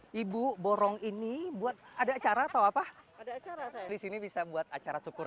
jadi harga harganya sudah lebih dari rp lima belas